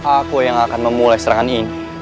aku yang akan memulai serangan ini